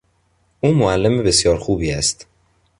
او معلم بسیار خوبی است.